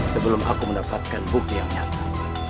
sebelum aku mendapatkan bukti yang nyata